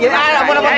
ya ampun ampun